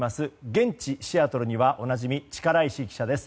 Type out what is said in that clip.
現地シアトルにはおなじみ力石記者です。